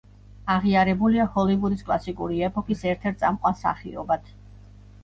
აღიარებულია ჰოლივუდის კლასიკური ეპოქის ერთ-ერთ წამყვან მსახიობად.